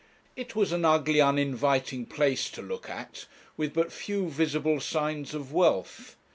It was an ugly uninviting place to look at, with but few visible signs of wealth.